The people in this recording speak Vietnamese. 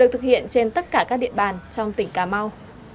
hiện trên tất cả các địa bàn trong tỉnh cà mau